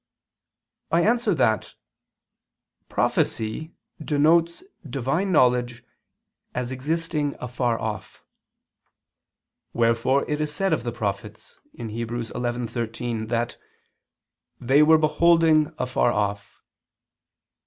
I answer that, Prophecy denotes Divine knowledge as existing afar off. Wherefore it is said of the prophets (Heb. 11:13) that "they were beholding ... afar off."